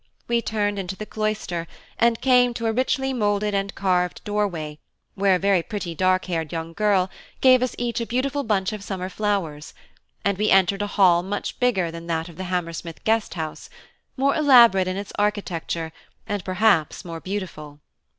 We turned into the cloister and came to a richly moulded and carved doorway, where a very pretty dark haired young girl gave us each a beautiful bunch of summer flowers, and we entered a hall much bigger than that of the Hammersmith Guest House, more elaborate in its architecture and perhaps more beautiful.